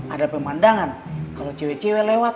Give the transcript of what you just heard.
ada pemandangan kalau cewek cewek lewat